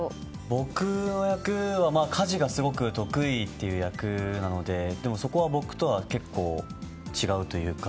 僕の役は家事がすごく得意という役なのでそこは僕とは結構違うというか。